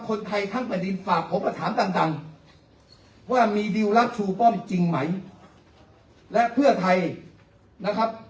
คนไทยทั้งมาดินฝากผมจะถามดังดังว่ามีดิลลักษณ์ชูป้อมจริงไหมและเพื่อใครนะครับ